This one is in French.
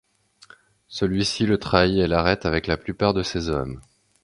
Celui-ci le trahit et l'arrête avec la plupart de ses hommes.